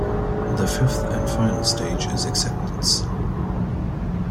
The fifth and final stage is acceptance.